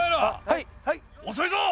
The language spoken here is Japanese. はい。